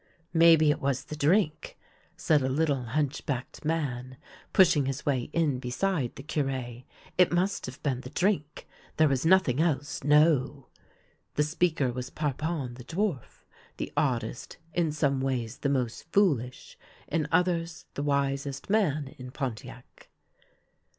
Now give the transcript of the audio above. " Maybe it was the drink," said a little hunchbacked man, pushing his way in beside the Cure. " It must have been the drink ; there was nothing else — no." The speaker was Parpon the dwarf, the oddest, in some ways the most foolish, in others the wisest man in Pontiac.